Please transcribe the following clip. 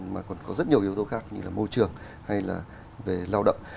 mà còn có rất nhiều yếu tố khác như là môi trường hay là về lao động